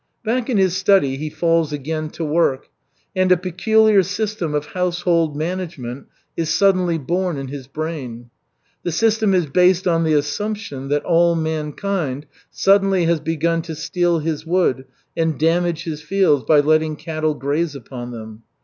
Back in his study, he falls again to work, and a peculiar system of household management is suddenly born in his brain. The system is based on the assumption that all mankind suddenly has begun to steal his wood and damage his fields by letting cattle graze upon them.